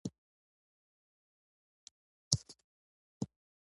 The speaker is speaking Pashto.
د اور لمبې پر غرغنډو شوې.